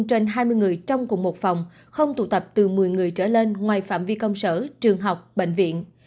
trên hai mươi người trong cùng một phòng không tụ tập từ một mươi người trở lên ngoài phạm vi công sở trường học bệnh viện